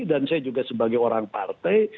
dan saya juga sebagai orang partai